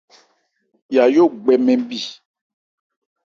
Yayó gbɛ mɛn mì.